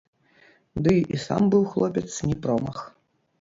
Ды і сам быў хлопец не промах.